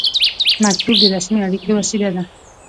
مکتوب د رسمي اړیکې وسیله ده